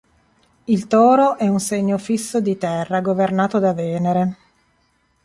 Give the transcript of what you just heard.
Il Toro è un segno fisso di terra, governato da Venere.